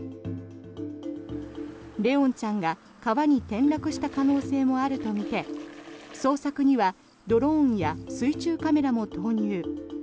怜音ちゃんが川に転落した可能性もあるとみて捜索にはドローンや水中カメラも投入。